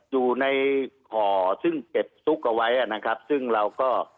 อยู่ในห่อซึ่งเก็บซุกเอาไว้นะครับซึ่งเราก็